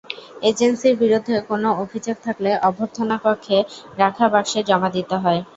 এজেন্সির বিরুদ্ধে কোনো অভিযোগ থাকলে অভ্যর্থনাকক্ষে রাখা বাক্সে জমা দিতে হয়।